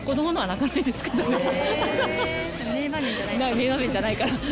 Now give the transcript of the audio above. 名場面じゃないから。